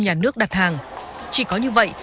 nhà nước đặt hàng chỉ có như vậy